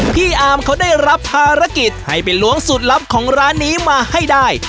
พี่อาร์มเขาได้รับภารกิจให้ไปล้วงสูตรลับของร้านนี้มาให้ได้